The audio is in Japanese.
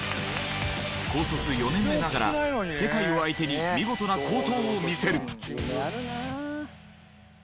高卒４年目ながら世界を相手に見事な好投を見せる。